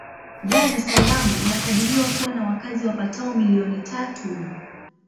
Dar es Salaam inakadiriwa kuwa na wakazi wapatao milioni tatu.